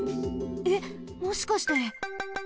えっもしかして。